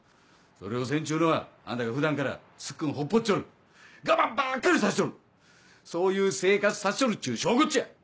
それをせんっちゅうのはあんたが普段からスッくんほっぽっちょる我慢ばっかりさせちょるそういう生活させちょるっちゅう証拠っちゃ！